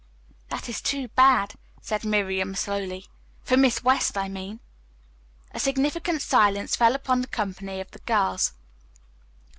"That is too bad," said Miriam slowly "for Miss West, I mean." A significant silence fell upon the company of girls.